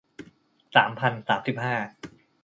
สามพันสามสิบห้า